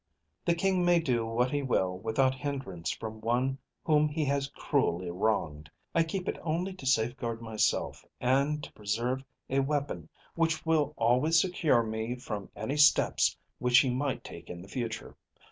The King may do what he will without hindrance from one whom he has cruelly wronged. I keep it only to safeguard myself, and to preserve a weapon which will always secure me from any steps which he might take in the future.